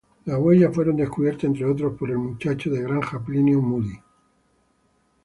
Las huellas fueron descubiertas, entre otros, por un muchacho de granja, Plinio Moody.